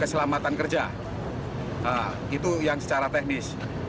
keselamatan kerja itu yang secara teknis